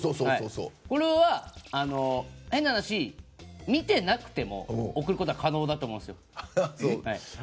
これは、変な話見てなくても送ることは可能だと思うんですよ。